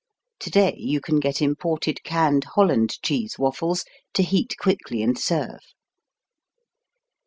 Today you can get imported canned Holland cheese waffles to heat quickly and serve.